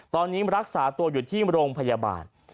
ตอนนี้รักษาตัวอยู่ที่โรงพยาบาล